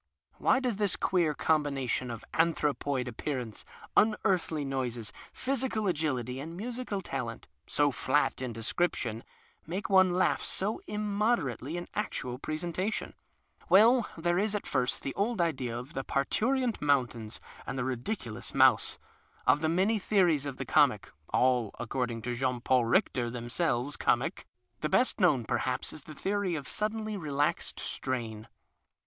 \Vhy does tiiis queer combination of antiu'opoid appearance, unearthly noises, physical agility, and musical talent — so flat in description— make one laugh so inunoderately in actual presentation ? Well, there is, first, the old idea of the parturient moun tains and the ridiculous mouse. Of the many theories of the comic (all, according to Jean Paul Hichtcr, themselves comic) the best known perhaps 75 PASTICHE AND PREJUDICE is tlie theory of suddenly relaxed strain.